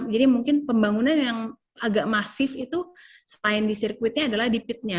jadi mungkin pembangunan yang agak masif itu selain di sirkuitnya adalah di pitnya